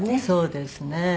そうですね。